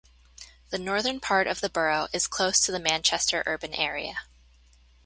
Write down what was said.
The northern part of the borough is close to the Manchester urban area.